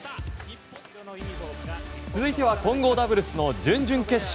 続いては混合ダブルスの準々決勝。